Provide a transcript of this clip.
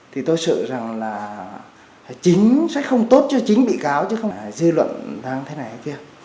thì tôi sợ rằng là chính sẽ không tốt cho chính bị cáo chứ không phải dư luận đang thế này thế kia